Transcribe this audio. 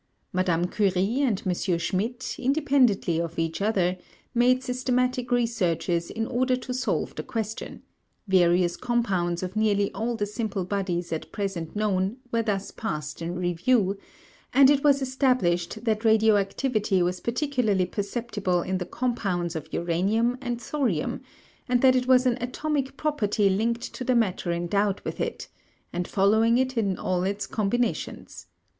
Madame Curie and M. Schmidt, independently of each other, made systematic researches in order to solve the question; various compounds of nearly all the simple bodies at present known were thus passed in review, and it was established that radioactivity was particularly perceptible in the compounds of uranium and thorium, and that it was an atomic property linked to the matter endowed with it, and following it in all its combinations.